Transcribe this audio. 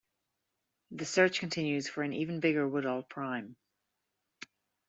The search continues for an even bigger Woodall prime.